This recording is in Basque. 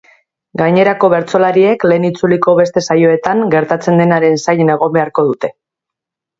Gainerako bertsolariek lehen itzuliko beste saioetan gertatzen denaren zain egon beharko dute.